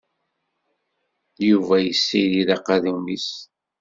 Yuba yessirid aqadum-is.